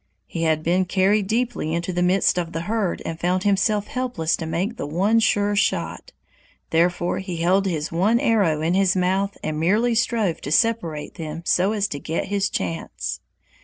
He had been carried deeply into the midst of the herd and found himself helpless to make the one sure shot, therefore he held his one arrow in his mouth and merely strove to separate them so as to get his chance.